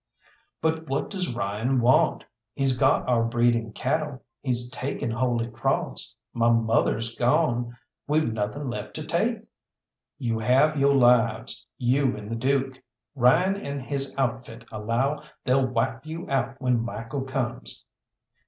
"But what does Ryan want? He's got our breeding cattle, he's taken Holy Cross, my mother's gone we've nothing left to take." "You have yo' lives, you and the Dook. Ryan and his outfit allow they'll wipe you out when Michael comes."